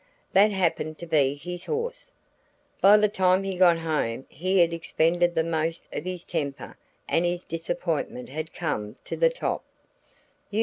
That happened to be his horse. By the time he got home he had expended the most of his temper and his disappointment had come to the top.